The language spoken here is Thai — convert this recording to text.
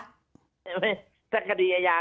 คุณผู้ชมค่ะเวลาน้อยนะคะ